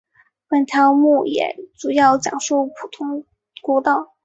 本条目也主要讲述普通国道。